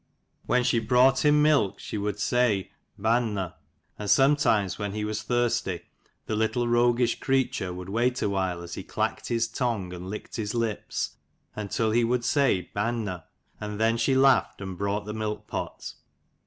When she brought him milk she would say "Bainne:" and sometimes when he was thirsty the little roguish creature would wait awhile, as he clacked his tongue and licked his lips, until he would say " Bainne :" and then she laughed and brought the milk pot.